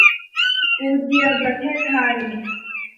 กู๊ดเยียร์ประเทศไทย